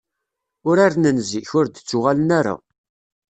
Uraren n zik, ur d-ttuɣalen ara.